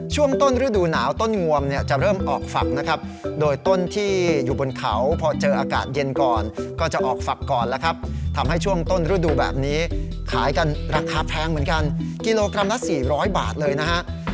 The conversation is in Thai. ช่วงต้นฤดูหนาวต้นงวมเนี่ยจะเริ่มออกฝักนะครับโดยต้นที่อยู่บนเขาพอเจออากาศเย็นก่อนก็จะออกฝักก่อนแล้วครับทำให้ช่วงต้นฤดูแบบนี้ขายกันราคาแพงเหมือนกันกิโลกรัมละ๔๐๐บาทเลยนะฮะ